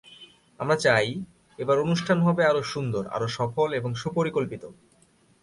আমরা চাই, এবার অনুষ্ঠান হবে আরও সুন্দর আরও সফল এবং সুপরিকল্পিত।